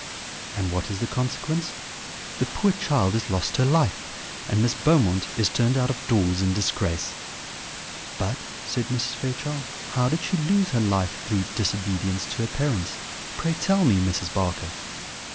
And what is the consequence? The poor child has lost her life, and Miss Beaumont is turned out of doors in disgrace." "But," said Mrs. Fairchild, "how did she lose her life through disobedience to her parents? Pray tell me, Mrs. Barker."